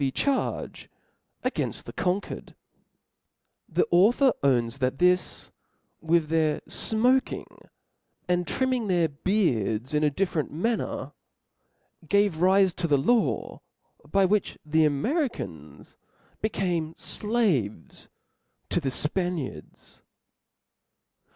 ^* The author owns that this, with their fmoaking and trimming their beards in a different manner, gave rife to the law by which the Americans became flaves to the Spaniards.